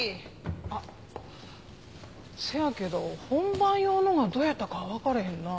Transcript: あっせやけど本番用のがどうやったかわからへんなあ。